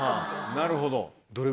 なるほど。